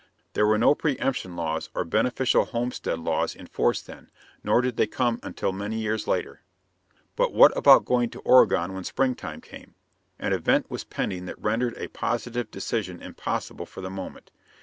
There were no preëmption laws or beneficial homestead laws in force then, nor did they come until many years later. But what about going to Oregon when springtime came? An event was pending that rendered a positive decision impossible for the moment.